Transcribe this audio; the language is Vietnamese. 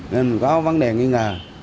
nên mình có vấn đề nghi ngờ